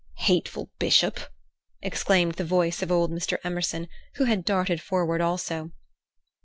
"Hateful bishop!" exclaimed the voice of old Mr. Emerson, who had darted forward also.